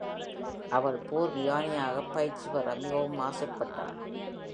அவள் போர் விமானியாகப் பயிற்சி பெற மிகவும் ஆசைப்பட்டாள்.